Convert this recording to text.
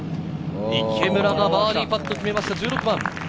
池村がバーディーパットを決めました、１６番。